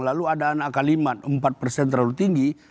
lalu ada anak kalimat empat persen terlalu tinggi